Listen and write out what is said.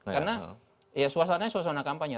karena ya suasana suasana kampanye